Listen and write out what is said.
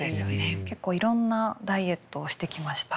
結構いろんなダイエットをしてきました。